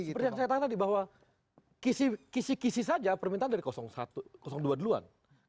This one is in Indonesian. seperti yang saya tanya tadi bahwa kisi kisi saja permintaan dari dua duluan